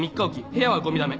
部屋はゴミだめ。